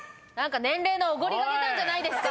年齢のおごりが出たんじゃないですか